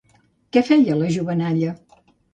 Què feia la jovenalla?